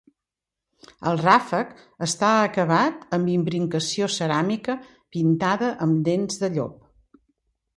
El ràfec està acabat amb imbricació ceràmica pintada amb dents de llop.